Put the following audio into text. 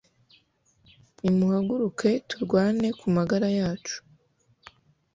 nimuhaguruke, turwane ku magara yacu